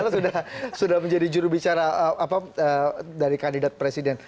sebelah sana sudah menjadi jurubicara dari kandidat presiden